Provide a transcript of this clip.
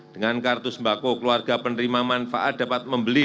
dengan kartu sembako keluarga penerima manfaat dapat membeli